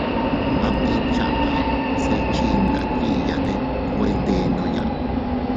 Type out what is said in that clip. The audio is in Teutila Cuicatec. Ama inña chaʼa see chii ndatta yiʼiyane nwe ytennoya.